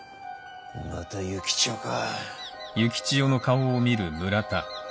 また幸千代か。